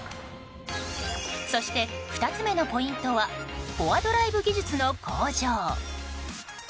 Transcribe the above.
そして、２つ目のポイントはフォアドライブ技術の向上。